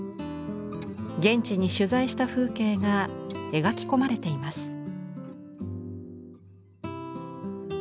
現地に取材した風景が描き込まれています。